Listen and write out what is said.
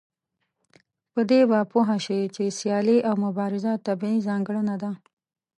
په دې به پوه شئ چې سيالي او مبارزه طبيعي ځانګړنه ده.